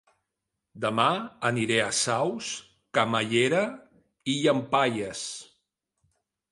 Dema aniré a Saus, Camallera i Llampaies